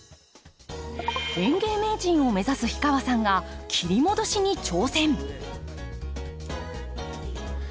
園芸名人を目指す氷川さんが切り戻しに挑戦。